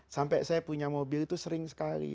sampai saya punya mobil itu sering sekali